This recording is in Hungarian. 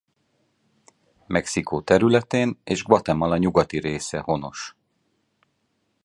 Mexikó területén és Guatemala nyugati része honos.